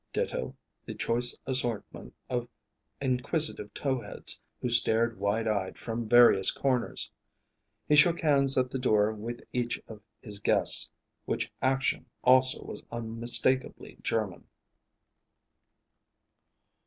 Ditto the choice assortment of inquisitive tow heads, who stared wide eyed from various corners. He shook hands at the door with each of his guests, which action also was unmistakably German.